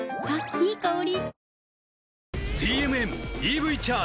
いい香り。